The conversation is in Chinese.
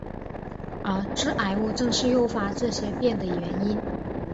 而致癌物正是诱发这些变的因素。